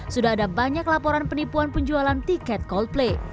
sudah ada banyak laporan penipuan penjualan tiket coldplay